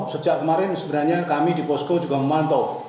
sejak kemarin sebenarnya kami di posko juga memantau